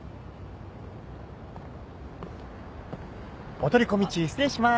・お取り込み中失礼しまーす。